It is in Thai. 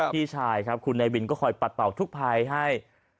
พี่ชายครับคุณนายวินก็คอยปัดเป่าทุกภัยให้